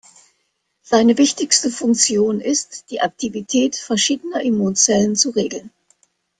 Seine wichtigste Funktion ist, die Aktivität verschiedener Immunzellen zu regeln.